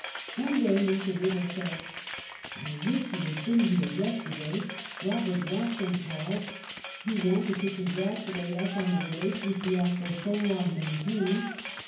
One day Mr. Eiddle said: " I wish you had been here yesterday. Robert "Watson called. He wanted to congratulate us on the relations we have for so long maintained.